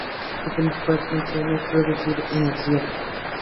Su principal función es producir energía.